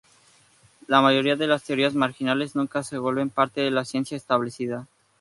La mayoría de las teorías marginales nunca se vuelven parte de la ciencia establecida.